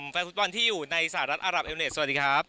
แฟนฟุตบอลที่อยู่ในสหรัฐอารับเอมเนสสวัสดีครับ